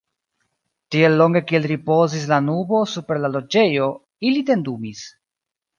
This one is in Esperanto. Tiel longe kiel ripozis la nubo super la Loĝejo, ili tendumis.